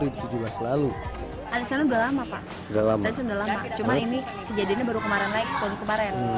arsengnya udah lama pak arseng udah lama cuman ini kejadiannya baru kemarin naik kebun kemarin